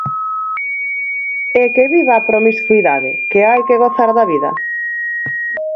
E que viva a promiscuidade, que hai que gozar da vida.